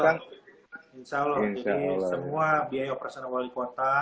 jadi semua biaya operasional wali kota